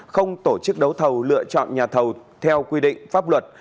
không tổ chức đấu thầu lựa chọn nhà thầu theo quy định pháp luật